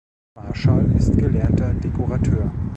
Marschall ist gelernter Dekorateur.